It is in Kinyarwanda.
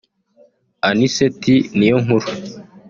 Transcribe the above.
Anicet Niyonkuru